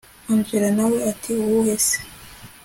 angella nawe ati uwuhe se